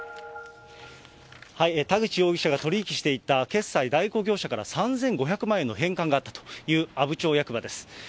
田口容疑者が取り引きしていた決済代行業者から３５００万円の返還があったという阿武町役場です。